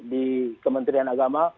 di kementerian agama